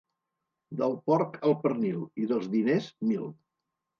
Del porc, el pernil, i dels diners, mil.